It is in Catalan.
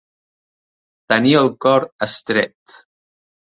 Tenir el cor estret.